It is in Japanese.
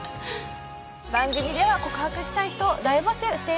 番組では告白したい人を大募集しています